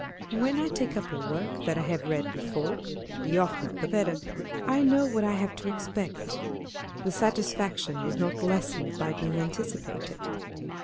When I take up a work that I have read before (the oftener the better) I know what I have to expect. The satisfaction is not lessened by being anticipated.